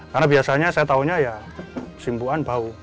karena biasanya saya tahunya ya simbuan bau